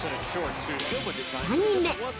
３人目。